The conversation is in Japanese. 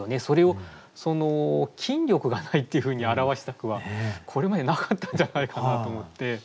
それを筋力が無いっていうふうに表した句はこれまでなかったんじゃないかなと思って。